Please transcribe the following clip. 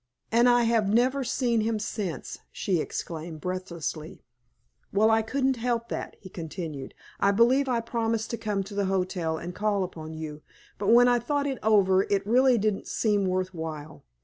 "And I have never seen him since!" she exclaimed, breathlessly. "Well, I couldn't help that," he continued. "I believe I promised to come to the hotel and call upon you, but when I thought it over it really didn't seem worth while.